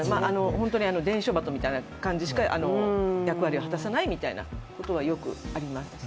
本当に伝書鳩みたいな形しか役割を果たさないということはよくあります。